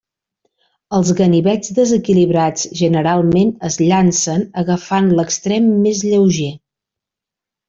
Els ganivets desequilibrats generalment es llancen agafant l'extrem més lleuger.